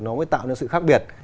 nó mới tạo ra sự khác biệt